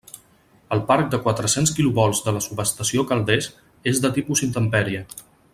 El parc de quatre-cents kilovolts de la subestació Calders és de tipus intempèrie.